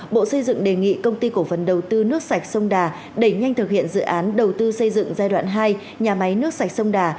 bộ xây dựng đề nghị công ty cổ phần đầu tư nước sạch sông đà đẩy nhanh thực hiện dự án đầu tư xây dựng giai đoạn hai nhà máy nước sạch sông đà